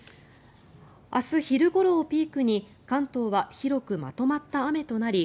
明日昼ごろをピークに関東は広くまとまった雨となり